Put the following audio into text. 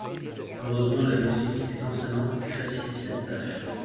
Heureusement la musique est entrainante et facilite cette tâche